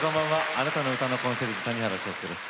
あなたの歌のコンシェルジュ谷原章介です。